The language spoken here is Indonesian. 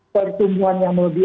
pertumbuhan yang melebihi